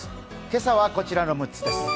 今朝はこちらの６つです。